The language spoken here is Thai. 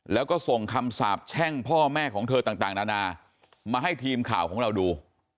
แล้วก็ส่งคำสาบแช่งพ่อแม่ของเธอต่างนานามาให้ทีมข่าวของเราดู